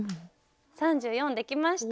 ３４できました！